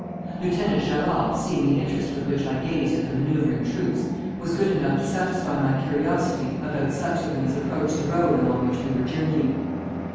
Lieutenant Gerard, seeing the interest with which I gazed at the manoeuvring troops, was good enough to satisfy my curiosity about such of them as approached the road along which we were journeying.